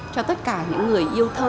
cho tất cả những người yêu thơ